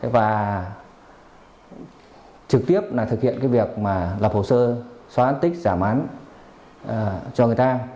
và trực tiếp thực hiện việc lập hồ sơ xóa án tích giảm án cho người ta